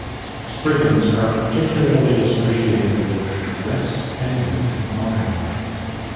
Spriggans are particularly associated with West Penwith in Cornwall.